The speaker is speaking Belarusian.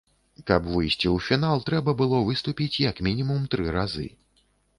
Каб выйсці ў фінал, трэба было выступіць як мінімум тры разы.